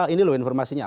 ini loh informasinya